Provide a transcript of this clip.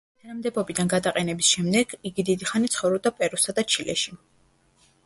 თანამდებობიდან გადაყენების შემდეგ, იგი დიდი ხანი ცხოვრობდა პერუსა და ჩილეში.